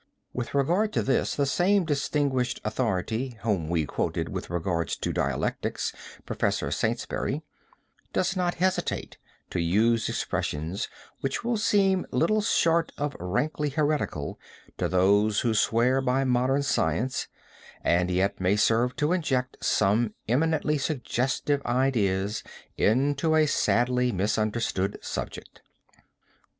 With regard to this the same distinguished authority whom we quoted with regard to dialectics, Prof. Saintsbury, does not hesitate to use expressions which will seem little short of rankly heretical to those who swear by modern science, and yet may serve to inject some eminently suggestive ideas into a sadly misunderstood subject.